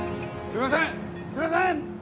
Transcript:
すいません！